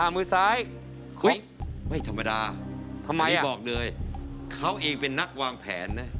มือซ้ายไม่ธรรมดาทำไมบอกเลยเขาเองเป็นนักวางแผนนะ